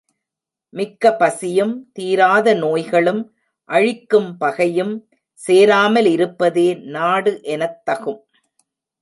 மிக்க பசியும், தீராத நோய்களும், அழிக்கும் பகையும் சேராமல் இருப்பதே நாடு எனத் தகும்.